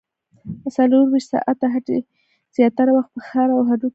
څلورویشت ساعته هټۍ زیاتره وخت په ښار او هډو کې وي